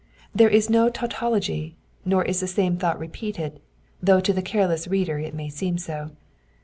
Yet there is no tautology, nor is the same thought repeated, though to the cardess reader U may seem so.